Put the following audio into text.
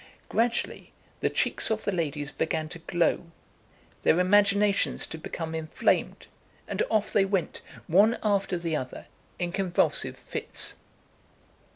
Gradually the cheeks of the ladies began to glow, their imaginations to become inflamed; and off they went, one after the other, in convulsive fits.